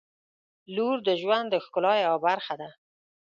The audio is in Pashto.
• لور د ژوند د ښکلا یوه برخه ده.